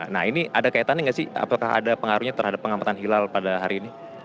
nah ini ada kaitannya nggak sih apakah ada pengaruhnya terhadap pengamatan hilal pada hari ini